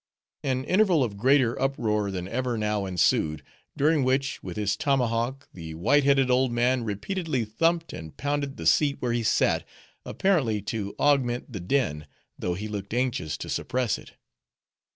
An interval of greater uproar than ever now ensued; during which, with his tomahawk, the white headed old man repeatedly thumped and pounded the seat where he sat, apparently to augment the din, though he looked anxious to suppress it.